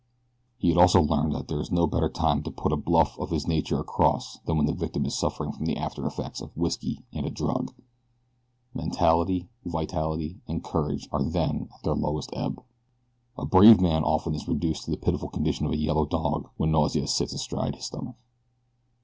He also had learned that there is no better time to put a bluff of this nature across than when the victim is suffering from the after effects of whiskey and a drug mentality, vitality, and courage are then at their lowest ebb. A brave man often is reduced to the pitiful condition of a yellow dog when nausea sits astride his stomach.